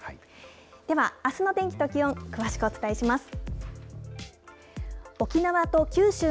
では、あすの天気と気温、詳しくお伝えします。